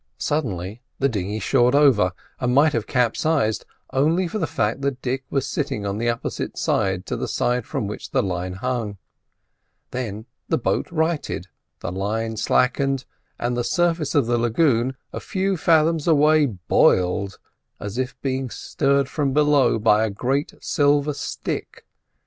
Suddenly the dinghy shored over, and might have capsized, only for the fact that Dick was sitting on the opposite side to the side from which the line hung. Then the boat righted; the line slackened, and the surface of the lagoon, a few fathoms away, boiled as if being stirred from below by a great silver stick.